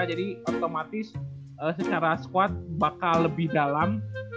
jadi otomatis secara squad bakal lebih dalam